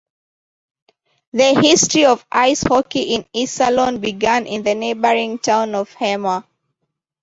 The history of ice hockey in Iserlohn began in the neighbouring town of Hemer.